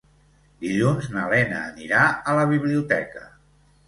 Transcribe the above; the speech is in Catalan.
Dilluns na Lena anirà a la biblioteca.